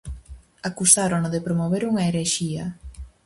Acusárono de promover unha herexía.